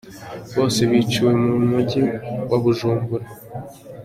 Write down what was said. Bose biciwe mu mujyi wa Bujumbura.